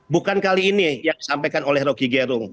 bukan kali ini yang disampaikan oleh rokigerung